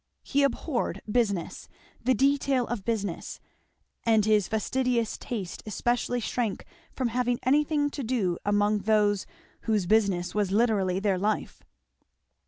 He abhorred business, the detail of business; and his fastidious taste especially shrank from having anything to do among those whose business was literally their life.